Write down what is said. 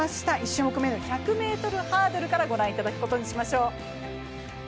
１種目めの１００ｍハードルから御覧いただくことにしましょう。